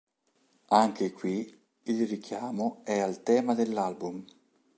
Anche qui il richiamo è al tema dell'album.